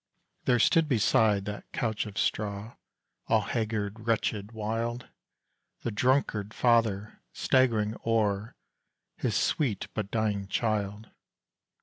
There stood beside that couch of straw, All haggard, wretched, wild, The drunkard father, staggering o'er His sweet but dying child.